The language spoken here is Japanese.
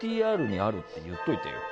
ＶＴＲにあるって言っておいてよ。